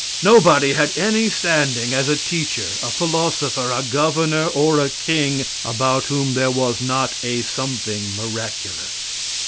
Nobody had any standing as a teacher, a philosopher, a governor, or a king, about whom there was not a something miraculous.